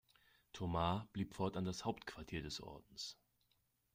Tomar blieb fortan das Hauptquartier des Ordens.